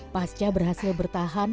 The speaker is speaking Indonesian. pasca berhasil bertahan